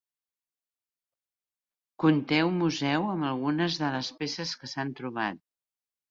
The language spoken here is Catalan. Conté un museu amb algunes de les peces que s'han trobat.